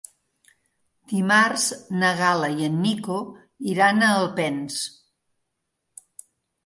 Dimarts na Gal·la i en Nico iran a Alpens.